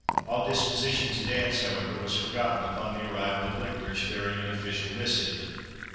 All disposition to dance, however, was forgotten upon the arrival of lictors bearing an official missive.